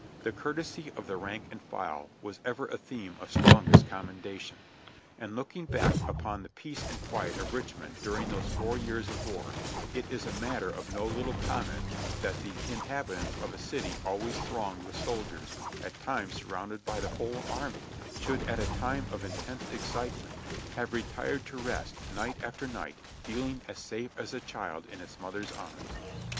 The courtesy of the rank and file was ever a theme of strongest commendation ; and looking back upon the peace and quiet of Richmond during those four years of war, it is a matter of no little comment that the inhabitants of a city always thronged with soldiers, at times surrounded by the whole army, should at a time of such intense excitement have re tired to rest night after night feeling as safe as a child in its mother's arms.